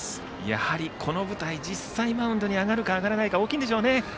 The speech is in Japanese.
やはりこの舞台実際にマウンドに上がるか上がらないかは大きいんでしょうね。